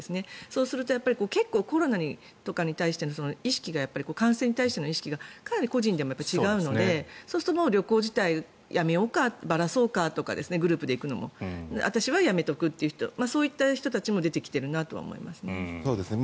そうすると結構コロナとかに対しての意識が、感染に対しての意識がかなり個人でも違うのでそうすると旅行自体やめようかばらそうかグループで行くのも私はやめとくという人たちも出てきているなとは思いますね。